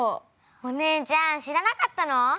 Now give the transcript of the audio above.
お姉ちゃん知らなかったの？